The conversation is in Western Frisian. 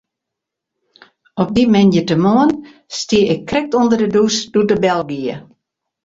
Op dy moandeitemoarn stie ik krekt ûnder de dûs doe't de bel gie.